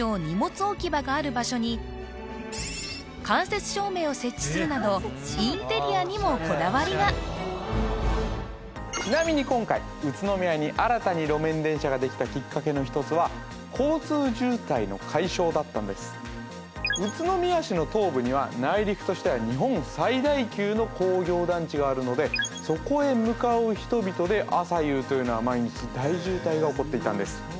さらにを設置するなどインテリアにもこだわりがちなみに今回宇都宮に新たに路面電車ができたきっかけの一つは交通渋滞の解消だったんです宇都宮市の東部には内陸としては日本最大級の工業団地があるのでそこへ向かう人々で朝夕というのは毎日大渋滞が起こっていたんです